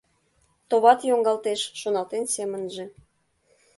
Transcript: Товат, йоҥгалтеш», — шоналтен семынже.